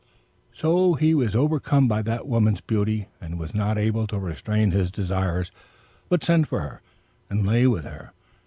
So he was overcome by that woman's beauty, and was not able to restrain his desires, but sent for her, and lay with her.